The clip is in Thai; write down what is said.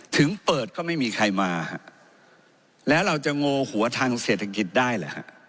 ถึงเปิดก็ไม่มีใครมาฮะแล้วเราจะโงหัวทางเศรษฐกิจได้เหรอฮะ